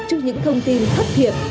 trước những thông tin thất thiệt